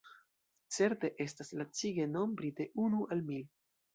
Certe estas lacige nombri de unu al mil.